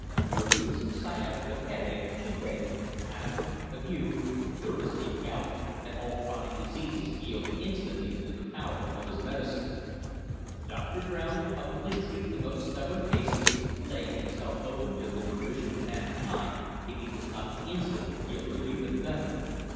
Rheumatism, Sciatica, Headache, Toothache, Asthma, Ague, Pleurisy, Gout, and all Chronic Diseases Yield Instantly to the Power of his Medicines. Dr. Brown will publicly treat the most stubborn cases, laying himself open to the derision of mankind if he does not instantly give relief and benefit.